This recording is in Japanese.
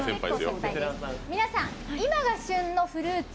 皆さん、今が旬のフルーツ